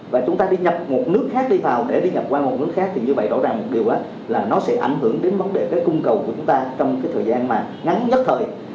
và chúng ta đi nhập một nước khác đi vào để đi nhập qua một nước khác thì như vậy rõ ràng một điều là nó sẽ ảnh hưởng đến vấn đề cái cung cầu của chúng ta trong cái thời gian mà ngắn nhất thời